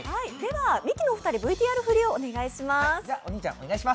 ミキのお二人ＶＴＲ振りお願いします。